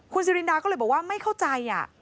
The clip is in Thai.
คุณสิรินดาก็เลยบอกว่าไม่เข้าใจ